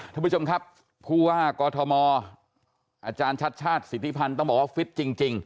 ท่านผู้ชมครับผู้ว่ากอทมอาจารย์ชัดชาติสิทธิพันธ์ต้องบอกว่าฟิตจริง